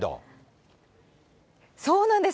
そうなんです。